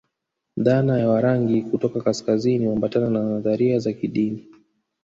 Dhana ya Warangi kutoka kaskazini huambatana na nadharia za kidini